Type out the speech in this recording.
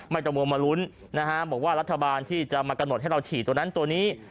ไม่ต่อมวงมารุ้นบอกว่ารัฐบาลที่จะมากระหนดให้เราฉีดตัวนั้นตัวนี้